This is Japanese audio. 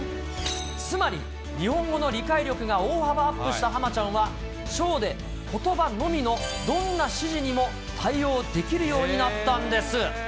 つまり、日本語の理解力が大幅アップしたハマちゃんは、ショーでことばのみのどんな指示にも対応できるようになったんです。